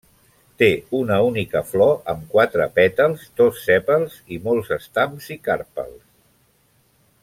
Té una única flor amb quatre pètals, dos sèpals i molts estams i carpels.